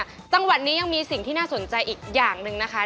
จังหวัดนี้ยังมีสิ่งที่น่าสนใจอีกอย่างหนึ่งนะคะ